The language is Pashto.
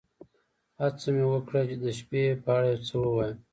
هڅه مې وکړه د شپې په اړه یو څه ووایم.